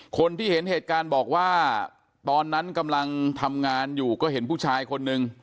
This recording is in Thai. คนที่เห็นเหตุการณ์บอกว่าตอนนั้นกำลังทำงานอยู่ก็เห็นผู้ชายคนนึง